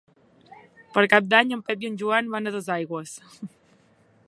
Per Cap d'Any en Pep i en Joan van a Dosaigües.